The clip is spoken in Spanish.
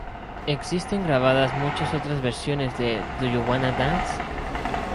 Existen grabadas muchas otras versiones de Do You Wanna Dance?.